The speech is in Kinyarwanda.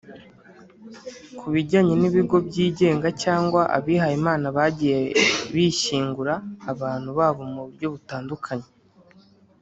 Ku bijyanye n’ibigo byigenga cyangwa abihayimana bagiye bishyingura abantu babo mu buryo butandukanye